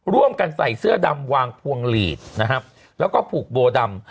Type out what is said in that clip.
ร่วมกันใส่เสื้อดำวางพวงหลีดนะครับแล้วก็ผูกโบดำ